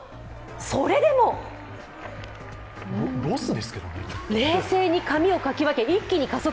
それでも冷静に髪をかき分け一気に加速。